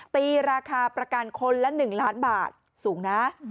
ตีราคาประกันคนละ๑ล้านบาทสูงนะ